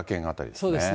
そうですね。